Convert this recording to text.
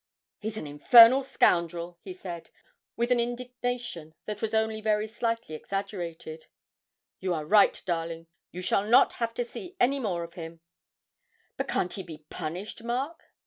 'He's an infernal scoundrel!' he said, with an indignation that was only very slightly exaggerated. 'You are right, darling, you shall not have to see any more of him.' 'But can't he be punished, Mark?'